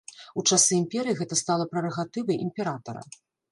У часы імперыі гэта стала прэрагатывай імператара.